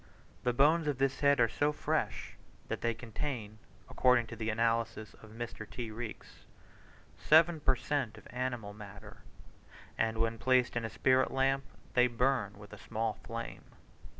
The bones of this head are so fresh, that they contain, according to the analysis by Mr. T. Reeks, seven per cent of animal matter; and when placed in a spirit lamp, they burn with a small flame.